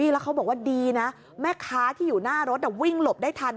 แล้วเขาบอกว่าดีนะแม่ค้าที่อยู่หน้ารถวิ่งหลบได้ทัน